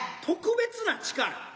「特別な力」？